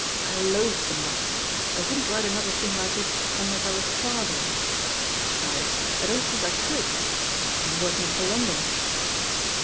"I loathe the muck. I wouldn't write another thing like it unless I were starving. Besides, I don't think I could! ... I'm working for London."